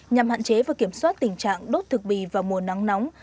nhằm hạn chế và kiểm soát tình trạng đốt thực bì vào mùa nắng nóng